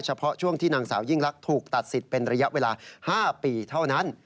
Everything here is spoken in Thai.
เฉพาะช่วงที่นางสาวยิ่งลักษณ์ถูกตัดสิทธิ์เป็นระยะเวลา๕ปีเท่านั้น